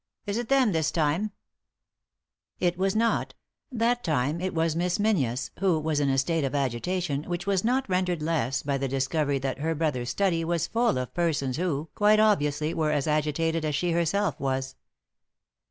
Is it them this time ?" It was not; that time it was Miss Menzies, who was in a state of agitation which was not rendered leas by the discovery that her brother's study was hill of persons who, quite obviously, were as agitated as she herself was.